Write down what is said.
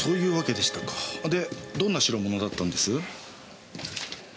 でどんな代物だったんです？